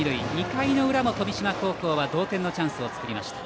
２回の裏も富島高校は同点のチャンスを作りました。